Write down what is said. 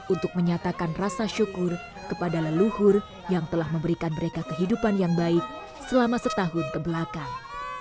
untuk menyatakan rasa syukur kepada leluhur yang telah memberikan mereka kehidupan yang baik selama setahun kebelakang